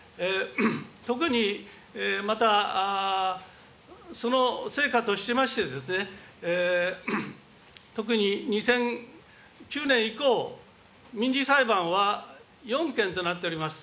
特にまた、その成果としまして、特に２００９年以降、民事裁判は４件となっております。